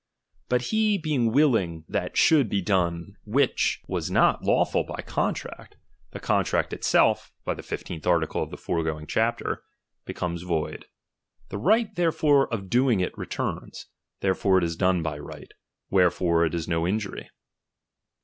But he being will ing that should be done which was not lawful by contract, the contract itself (by the fifteenth article of the foregoing chapter) becomes void. The right therefore of doing it returns ; therefore it is done'by right ; wherefore it is no injury.